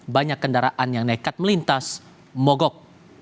banyak kendaraan yang nekat melintas mogok